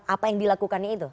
apa yang dilakukannya itu